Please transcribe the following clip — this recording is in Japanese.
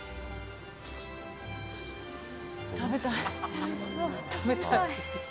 食べたい。